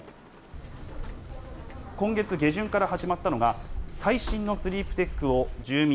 今月下旬から始まったのが、最新のスリープテックを住民